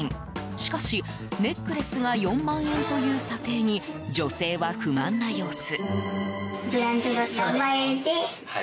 しかし、ネックレスが４万円という査定に女性は不満な様子。